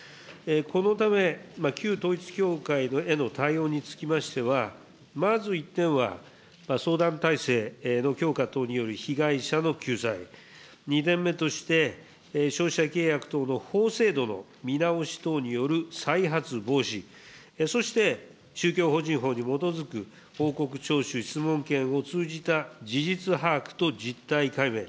このため、旧統一教会への対応につきましては、まず１点は、相談体制の強化等による被害者の救済、２点目として、消費者契約等の法制度の見直し等による再発防止、そして、宗教法人法に基づく報告徴収、質問権を通じた通じた事実把握と実態解明。